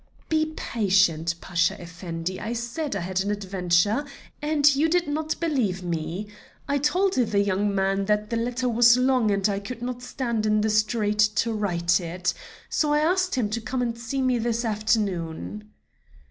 "Be patient, Pasha Effendi; I said I had an adventure, and you did not believe me. I told the young man that the letter was long, and I could not stand in the street to write it. So I asked him to come and see me this afternoon."